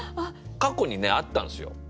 過去にねあったんですよ。